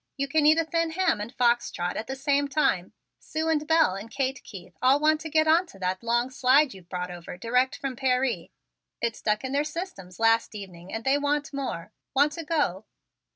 You can eat a thin ham and fox trot at the same time. Sue and Belle and Kate Keith all want to get on to that long slide you've brought over direct from Paree. It stuck in their systems last evening and they want more. Want to go?"